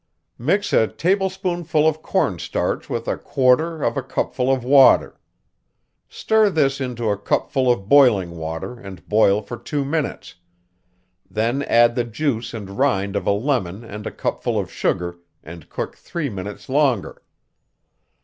"Mix a tablespoonful of corn starch with a quarter of a cupful of water. Stir this into a cupful of boiling water, and boil for two minutes; then add the juice and rind of a lemon and a cupful of sugar, and cook three minutes longer.